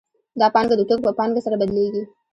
دا پانګه د توکو په پانګه سره بدلېږي